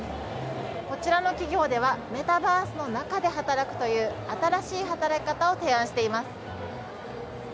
こちらの企業ではメタバースの中で働くという新しい働き方を提案しています。